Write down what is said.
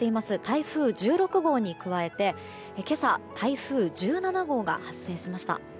台風１６号に加えて今朝、台風１７号が発生しました。